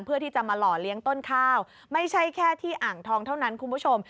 เพื่อที่จะมาหล่อเลี้ยงต้นข้าวไม่ใช่แค่ที่อ่างทองเท่านั้นคุณผู้ชม